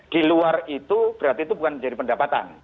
di luar itu berarti itu bukan menjadi pendapatan